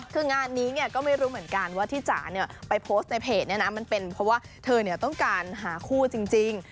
คืองานนี้เนี่ยก็ไม่รู้เหมือนกันว่าที่จ๋าไปโพสต์ในเพจเนี่ยนะมันเป็นเพราะว่าเธอต้องการหาคู่จริง